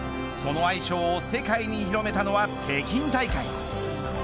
その愛称を世界に広めたのは北京大会。